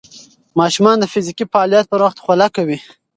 ماشومان د فزیکي فعالیت پر وخت خوله کوي.